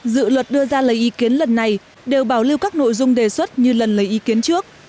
dự luật đưa ra lấy ý kiến lần này đều bảo lưu các nội dung đề xuất như lần lấy ý kiến trước